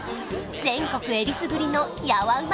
全国えりすぐりのヤワうま